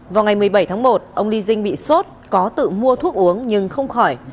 vào ngày một mươi bảy tháng một ông li jing bị sốt có tự mua thuốc uống nhưng không khỏi